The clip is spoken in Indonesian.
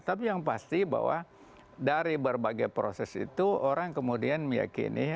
tapi yang pasti bahwa dari berbagai proses itu orang kemudian meyakini